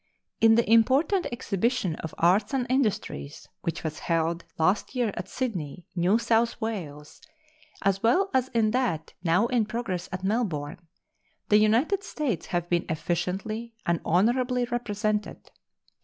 In the important exhibition of arts and industries which was held last year at Sydney, New South Wales, as well as in that now in progress at Melbourne, the United States have been efficiently and honorably represented.